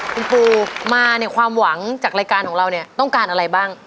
คุณปูมาความหวังจากรายการของเราทั้งการอะไรบ้าง